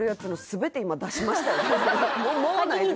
もうないです